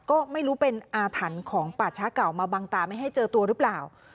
ก็ไม่รู้เป็นอาถรรพ์ของป่าช้าเก่ามาบังตาไม่ให้เจอตัวหรือเปล่า